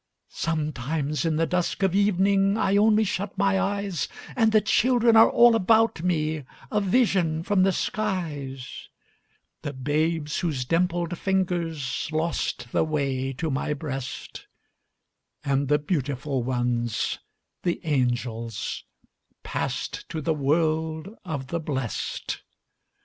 Sometimes, in the dusk of evening, I only shut my eyes, And the children are all about me, A vision from the skies: The babes whose dimpled fingers Lost the way to my breast, And the beautiful ones, the angels, Passed to the world of the blest.